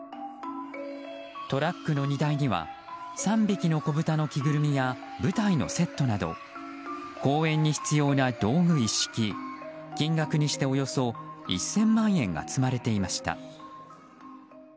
トラックの荷台には「三びきのこぶた」の着ぐるみや舞台のセットなど公演に必要な道具一式金額にしておよそ１０００万円が積まれていました。